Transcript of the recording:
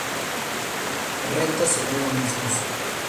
Recta según la misma fuente.